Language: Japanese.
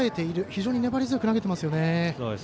非常に粘り強く投げていますよね。